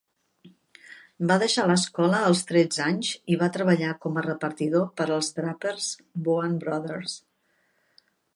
Va deixar l'escola als tretze anys i va treballar com a repartidor per als drapers Boan Brothers.